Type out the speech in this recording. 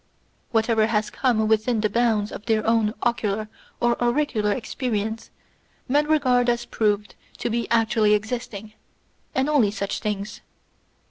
Whatever has come within the bounds of their own ocular or auricular experience men regard as proved to be actually existing; and only such things.